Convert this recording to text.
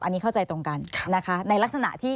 อันนี้เข้าใจตรงกันนะคะในลักษณะที่